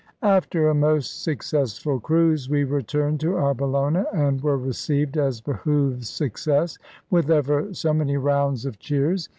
After a most successful cruise, we returned to our Bellona, and were received as behoves success, with ever so many rounds of cheers.